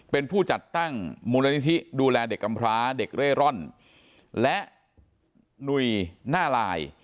เป็นผู้จัดตั้งมูลนิธิดูแลเด็กกำพร้าเด็กเร่ร่อนและหนุ่ยหน้าลาย